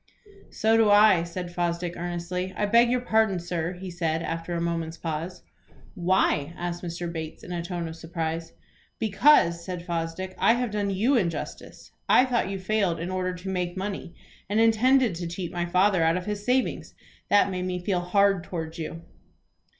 "So do I," said Fosdick, earnestly. "I beg your pardon, sir," he said, after a moment's pause. "Why?" asked Mr. Bates in a tone of surprise. "Because," said Fosdick, "I have done you injustice. I thought you failed in order to make money, and intended to cheat my father out of his savings. That made me feel hard towards you."